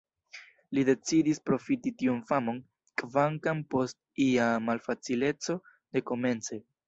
Li decidis profiti tiun famon, kvankam post ia malfacileco dekomence.